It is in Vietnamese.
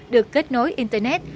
được kết nối internet